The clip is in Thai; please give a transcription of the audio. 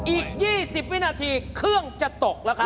อีก๒๐วินาทีเครื่องจะตกแล้วครับ